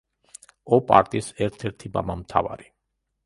ოპ-არტის ერთ-ერთი მამამთავარი.